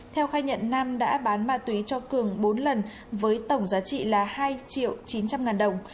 theo khai nhận nam đã bán ma túy cho cường bốn lần với tổng giá trị là hai triệu chín trăm linh ngàn đồng